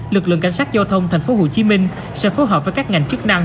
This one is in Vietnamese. lực lượng cảnh sát giao thông tp hcm sẽ phối hợp với các ngành chức năng